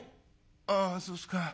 「ああそうすか。